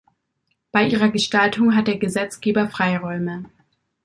Bei ihrer Gestaltung hat der Gesetzgeber Freiräume.